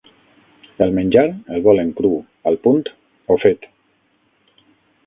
El menjar, el volen cru, al punt o fet?